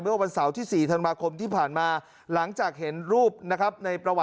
เมื่อวันเสาร์ที่สี่ธรรมาคมที่ผ่านมาหลังจากเห็นรูปนะครับ